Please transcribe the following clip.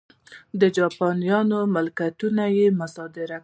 د جاپانیانو ملکیتونه یې مصادره کولای شول.